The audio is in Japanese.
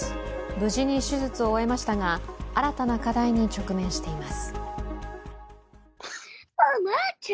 無事に手術を終えましたが新たな課題に直面しています。